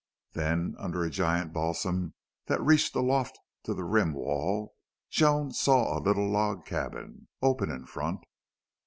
Then under a giant balsam, that reached aloft to the rim wall, Joan saw a little log cabin, open in front.